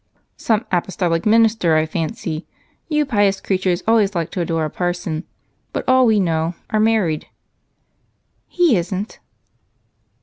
"Some apostolic minister, I fancy. You pious creatures always like to adore a parson. But all we know are married." "He isn't."